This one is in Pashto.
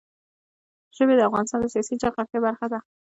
ژبې د افغانستان د سیاسي جغرافیه برخه ده.